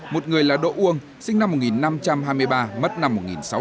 một người là độ uông sinh năm một nghìn năm trăm hai mươi ba mất năm một nghìn sáu trăm sáu mươi